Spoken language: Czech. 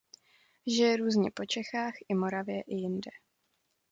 Žije různě po Čechách i Moravě i jinde.